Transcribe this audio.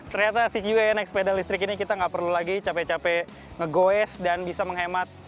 ternyata si qnx sepeda listrik ini kita tidak perlu lagi capek capek ngegoes dan bisa menghemat